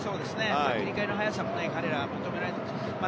切り替えの早さも彼らは求められているから。